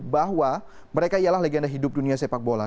bahwa mereka ialah legenda hidup dunia sepak bola